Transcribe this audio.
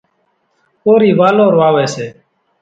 ڪورِي والور واويَ سي۔